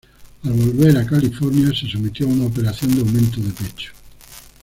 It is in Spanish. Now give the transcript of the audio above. Al volver a California, se sometió a una operación de aumento de pecho.